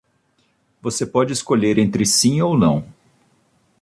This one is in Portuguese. Você pode escolher entre sim ou não.